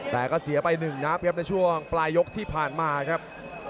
แต่ก็เสียไปหนึ่งนับครับในช่วงปลายยกที่ผ่านมาครับ